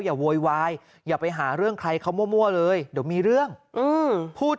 โวยวายอย่าไปหาเรื่องใครเขามั่วเลยเดี๋ยวมีเรื่องพูด